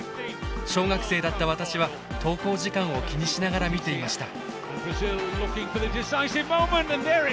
小学生だった私は登校時間を気にしながら見ていました。